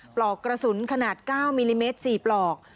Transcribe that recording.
ปลอกกระสุนขนาด๙มิลลิเมตร๔ปลอก